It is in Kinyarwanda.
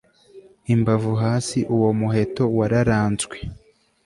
imbavu hasi uwo muheto wararanzwe